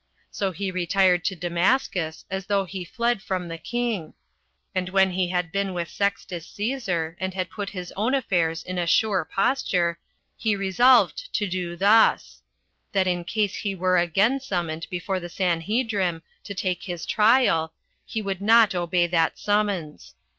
So he retired to Damascus, as though he fled from the king; and when he had been with Sextus Cæsar, and had put his own affairs in a sure posture, he resolved to do thus; that in case he were again summoned before the Sanhedrim to take his trial, he would not obey that summons.